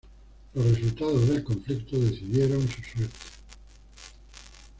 Los resultados del conflicto decidieron su suerte.